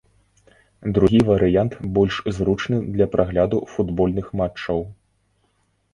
Другі варыянт больш зручны для прагляду футбольных матчаў.